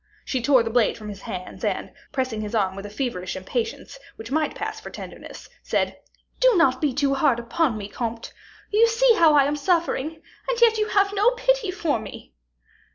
She tore the blade from his hands, and, pressing his arm with a feverish impatience, which might pass for tenderness, said, "Do not be too hard upon me, comte. You see how I am suffering, and yet you have no pity for me."